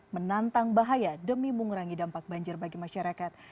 menantang bahaya demi mengurangi dampak banjir bagi masyarakat